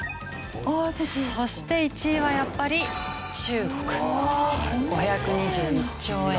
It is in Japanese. そして１位はやっぱり中国５２１兆円。